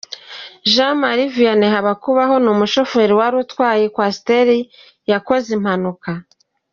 Jean Marie Vianney Habukubaho ni umushoferi wari utwaye Coaster yakoze impanuka.